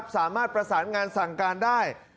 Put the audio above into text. สามารถประสานงานสั่งการได้